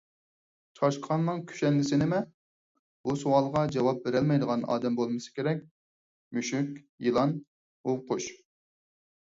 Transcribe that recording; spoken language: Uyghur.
چاشقاننىڭ كۈشەندىسى نېمە؟ بۇ سوئالغان جاۋاب بېرەلمەيدىغان ئادەم بولمىسا كېرەك: مۈشۈك، يىلان، ھۇۋقۇش.